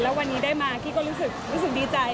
แล้ววันนี้ได้มากี้ก็รู้สึกดีใจ